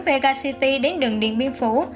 vega city đến đường điện biên phủ